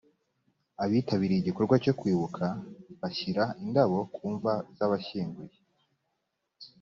abitabiriye igikorwa cyo kwibuka bashyira indabo ku mva z abashyinguye